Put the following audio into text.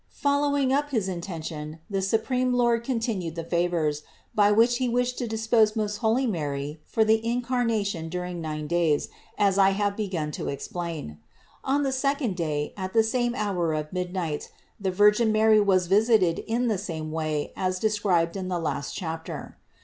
17. Following up his intention, the supreme Lord con 33 34 CITY OF GOD tinued the favors, by which He wished to dispose most holy Mary for the Incarnation during nine days, as I have begun to explain. On the second day, at the same hour of midnight, the Virgin Mary was visited in the same way as described in the last chapter.